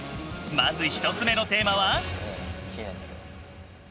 まず１つ目のテーマは？